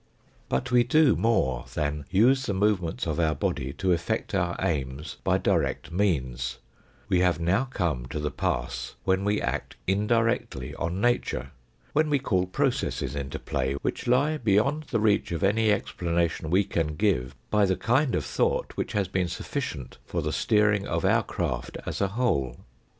But we do more than use the movements of our body to effect our aims by direct means ; we have now come to the pass when we act indirectly on nature, when we call processes into play which lie beyond the reach of any explanation we can give by the kind of thought which has been sufficient for the steering of our craft as a whole.